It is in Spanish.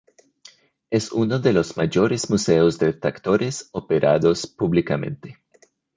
Es uno de los mayores museos de tractores operados públicamente.